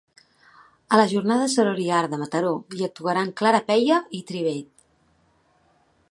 A la jornada Sorori-Art de Mataró hi actuaran Clara Peya i Tribade.